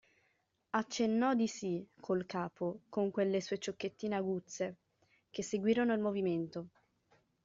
Accennò di sì, col capo, con quelle sue ciocchettine aguzze, che seguirono il movimento.